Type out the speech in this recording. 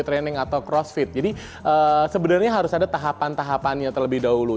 training atau crossfit jadi sebenarnya harus ada tahapan tahapannya terlebih dahulu